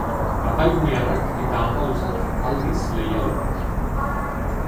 Kataluniarrak eta andaluzak aldiz leialenak.